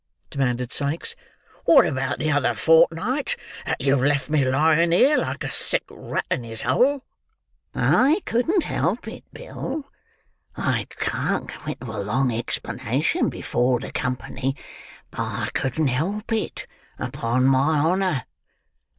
demanded Sikes. "What about the other fortnight that you've left me lying here, like a sick rat in his hole?" "I couldn't help it, Bill. I can't go into a long explanation before company; but I couldn't help it, upon my honour."